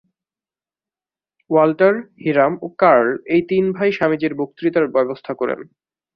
Walter, Hiram ও Karl এই তিন ভাই স্বামীজীর বক্তৃতার ব্যবস্থা করেন।